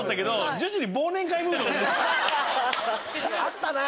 あったな！